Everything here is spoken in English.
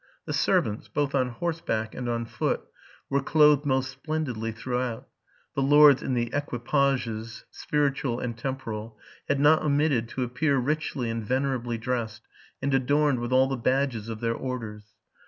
The servants, both on horseback and on foot, were clothed most splendidly throughout: the lords in the equipages, spiritual and temporal, had not omitted to appear richly and venerably dressed, and adorned with all the badges of their orders.